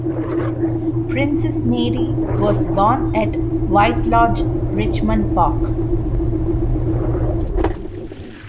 Princess Mary was born at White Lodge, Richmond Park.